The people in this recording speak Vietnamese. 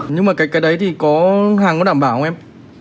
nhưng mà cái đấy thì có hàng nó đảm bảo không em